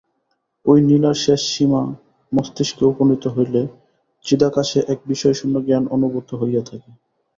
ঐ নালীর শেষ সীমা মস্তিষ্কে উপনীত হইলে চিদাকাশে এক বিষয়শূন্য জ্ঞান অনুভূত হইয়া থাকে।